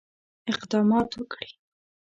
اقدامات وکړي.